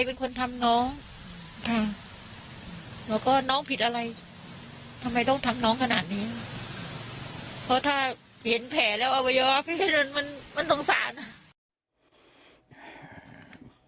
ทำไมต้องทำน้องขนาดนี้เพราะถ้าเห็นแผลแล้วเอาไปเอาออกไปให้มันมันตรงสาร